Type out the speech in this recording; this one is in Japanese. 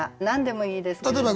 何でもいいですけど。